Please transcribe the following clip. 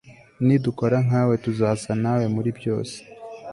ni dukora nkawe tuzasa nawe muribyose